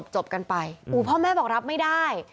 จบกันไปพ่อแม่บอกรับไม่ได้